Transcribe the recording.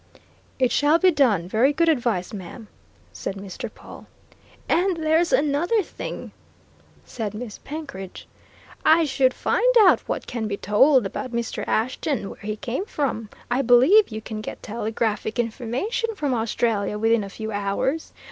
"It shall be done very good advice, ma'am," said Mr. Pawle. "And there's another thing," said Miss Penkridge. "I should find out what can be told about Mr. Ashton where he came from. I believe you can get telegraphic information from Australia within a few hours.